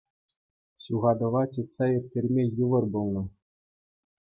Ҫухатӑва чӑтса ирттерме йывӑр пулнӑ.